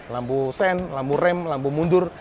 lampu sen lampu rem lampu mundur